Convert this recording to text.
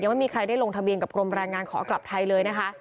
ไม่มีใครได้ลงทะเบียนกับกรมแรงงานขอกลับไทยเลยนะคะ